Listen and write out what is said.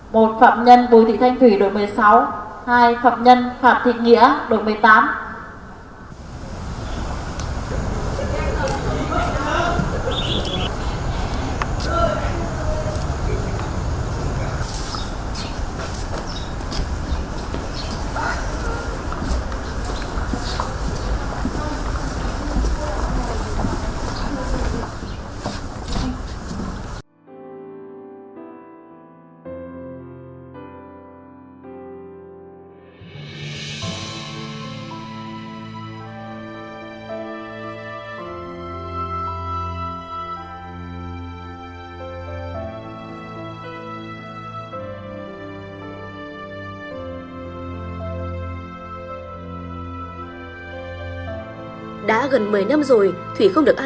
một phạm nhân bùi thị thanh thủy đội một mươi sáu